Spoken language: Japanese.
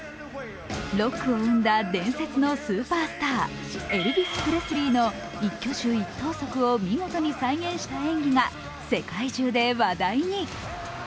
ロックを生んだ伝説のスーパースターエルヴィス・プレスリーの一挙手一投足を見事に再現した演技が世界中で話題に。